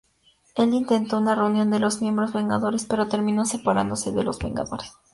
Él intentó una reunión de los miembros Vengadores, pero terminó separándose de los Vengadores.